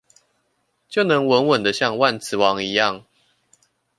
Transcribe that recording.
就能穩穩的像萬磁王一樣